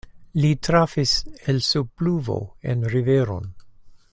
Li trafis el sub pluvo en riveron.